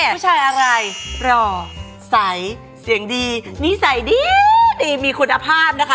ผู้ชายอะไรหล่อใสเสียงดีนิสัยดีมีคุณภาพนะคะ